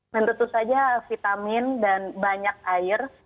dan tentu saja vitamin dan banyak air